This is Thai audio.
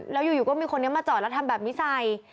แล้วอยู่ก็มีคนนี้มาจอดแล้วทำแบบนี้ใส่